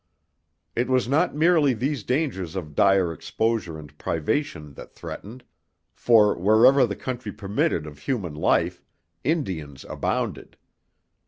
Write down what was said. It was not merely these dangers of dire exposure and privation that threatened, for wherever the country permitted of human life, Indians abounded.